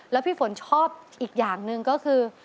แล้วพี่ฝนชอบอีกอย่างหนึ่งก็คือ